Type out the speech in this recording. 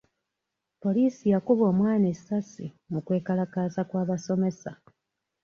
Poliisi yakuba omwana essasi mu kwekalakaasa kw'abasomesa.